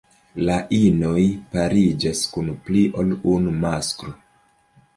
La inoj pariĝas kun pli ol unu masklo.